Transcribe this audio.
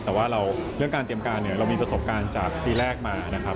แต่ว่าเรื่องการเตรียมการเนี่ยเรามีประสบการณ์จากปีแรกมานะครับ